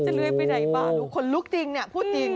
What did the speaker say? จะเรื่อยไปไหนบ้างคนลุกจริงพูดจริง